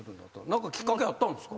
何かきっかけあったんですか？